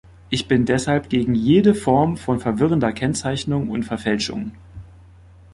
Ich bin deshalb gegen jede Form von verwirrender Kennzeichnung und Verfälschung.